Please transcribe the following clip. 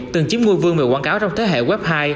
từng chiếm ngôi vương mềm quảng cáo trong thế hệ web hai